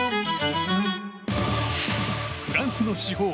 フランスの至宝